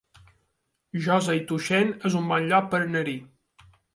Josa i Tuixén es un bon lloc per anar-hi